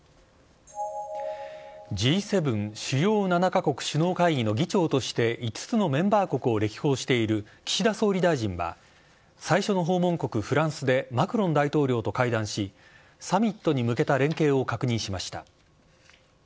Ｇ７・主要７か国の首脳会議の議長として５つのメンバー国を歴訪している岸田総理大臣は、最初の訪問国、フランスでマクロン大統領と会談し、サミットに向けた連携を確認しました。